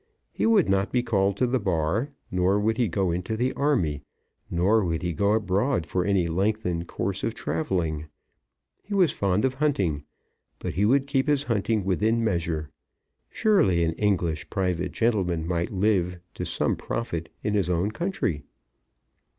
He would not be called to the Bar, nor would he go into the army, nor would he go abroad for any lengthened course of travelling. He was fond of hunting, but he would keep his hunting within measure. Surely an English private gentleman might live to some profit in his own country!